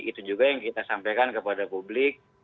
itu juga yang kita sampaikan kepada publik